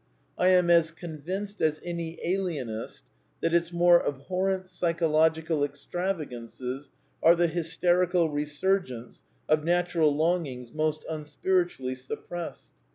I am as convinced as any alienist that its more abhorrent psychological extravagances are the hysterical resurgence of natural longings most imspiritually suppressed.